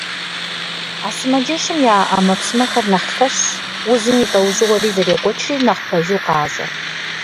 А сымаджэщым яӀэ Ӏэмэпсымэхэр нэхъ лъэщщ, узым и лӀэужьыгъуэри зэрекӀуэкӀри нэхъ пэжу къащӀэ.